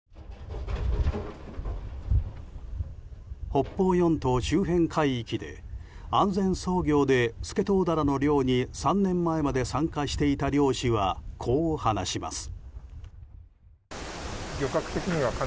北方四島周辺海域で安全操業でスケトウダラの漁に３年前まで参加していた漁師はこう話します。